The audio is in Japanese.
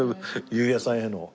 裕也さんへの。